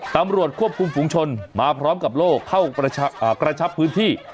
ตำรวจควบคุมฝุงชนมาพร้อมกับโลกเข้ากระชับพื้นที่